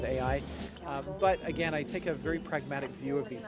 tapi saya mengambil pandangan pragmatik dari hal hal ini